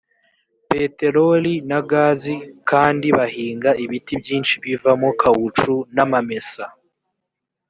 peteroli na gazi kandi bahinga ibiti byinshi bivamo kawucu n amamesa